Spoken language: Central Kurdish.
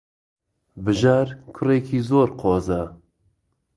بژار کوڕێکی زۆر قۆزە.